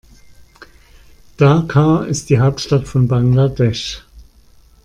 Dhaka ist die Hauptstadt von Bangladesch.